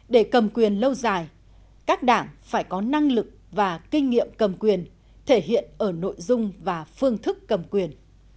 để cầm quyền lâu dài các đảng phải có năng lực và kinh nghiệm cầm quyền thể hiện ở nội dung và phương thức cầm quyền